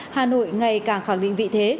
hà nội ngày càng khẳng định vị thế